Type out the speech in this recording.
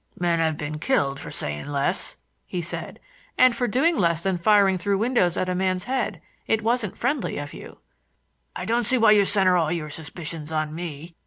"Men have been killed for saying less," he said. "And for doing less than firing through windows at a man's head. It wasn't friendly of you." "I don't see why you center all your suspicions on me.